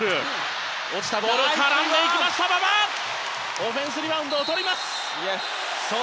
オフェンスリバウンドをとります馬場。